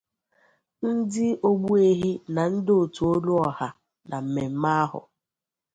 Ndị Ogbuehi na ndị òtù Oluoha na mmemme ahụ